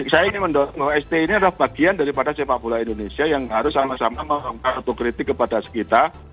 saya ini mendorong bahwa sti ini adalah bagian daripada sebuah bola indonesia yang harus sama sama menghormat atau kritik kepada sekitar